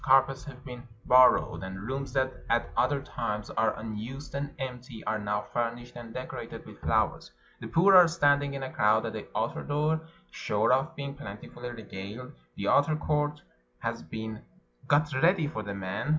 Carpets have been borrowed, and rooms that at other times are unused and empty are now furnished and decorated with flowers. The poor are standing in a crowd at the outer door, sure of being plentifully regaled. The outer court has been got ready 415 PERSIA for the men.